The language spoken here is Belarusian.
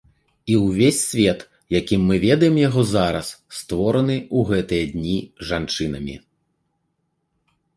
І ўвесь свет, якім мы ведаем яго зараз, створаны ў гэтыя дні жанчынамі.